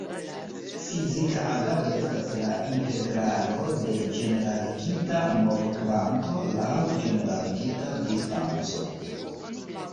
Fizika agado estas la integralo de ĝeneraligita movokvanto laŭ ĝeneraligita distanco.